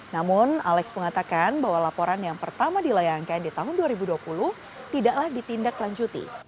namun alex mengatakan bahwa laporan yang pertama dilayangkan di tahun dua ribu dua puluh tidaklah ditindaklanjuti